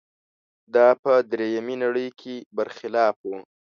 دا په درېیمې نړۍ کې برخلاف و.